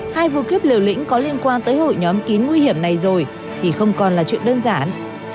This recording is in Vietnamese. hai vụ cướp liều lĩnh có liên quan tới hội nhóm kín nguy hiểm này rồi thì không còn là chuyện đơn giản